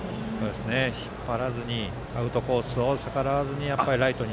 引っ張らずにアウトコースを逆らわずにライトに。